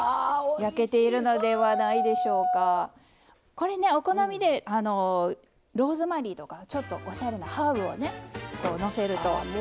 これねお好みでローズマリーとかちょっとおしゃれなハーブをのせると。